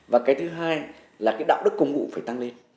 và cái thứ hai là cái đạo đức công vụ phải tăng lên